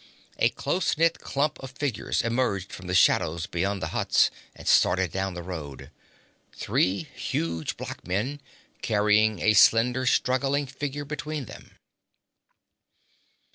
A close knit clump of figures emerged from the shadows beyond the huts, and started down the road three huge black men carrying a slender, struggling figure between them.